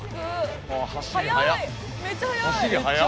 めっちゃ速い！